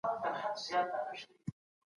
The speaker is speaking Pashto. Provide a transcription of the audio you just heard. ناهیلي مه کوئ.